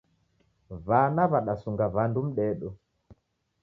Wana wadasunga wandu mdedo